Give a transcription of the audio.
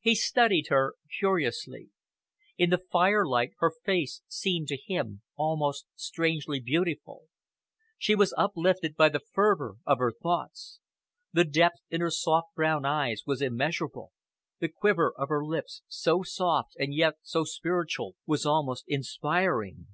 He studied her curiously. In the firelight her face seemed to him almost strangely beautiful. She was uplifted by the fervour of her thoughts. The depth in her soft brown eyes was immeasurable; the quiver of her lips, so soft and yet so spiritual, was almost inspiring.